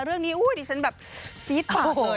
เรื่องนี้อุ๊ยดิฉันแบบฟีดปากเลย